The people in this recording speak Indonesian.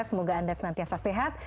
semoga anda senantiasa sehat